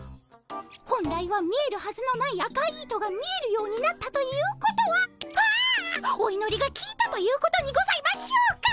本来は見えるはずのない赤い糸が見えるようになったということはああおいのりがきいたということにございましょうか。